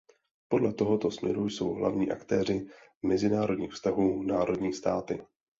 Podle tohoto směru jsou hlavní aktéři mezinárodních vztahů národní státy.